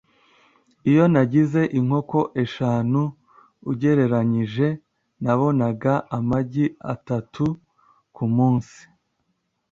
Iyo nagize inkoko eshanu, ugereranije nabonaga amagi atatu kumunsi.